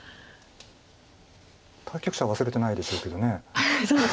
対局者は忘れてないでしょうけど。